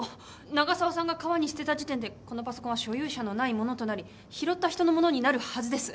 長澤さんが川に捨てた時点でこのパソコンは所有者のないものとなり拾った人のものになるはずです。